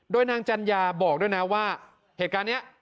โดยนางจัญญาบอกด้วยนะว่าเหตุการณ์นี้